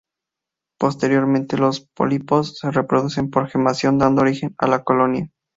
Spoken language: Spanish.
Posteriormente, los pólipos se reproducen por gemación, dando origen a la colonia.